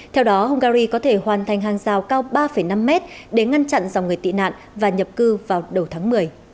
theo đó hungary có thể hoàn thành hàng rào cao ba năm mét để ngăn chặn dòng người tị nạn và nhập cư vào đầu tháng một mươi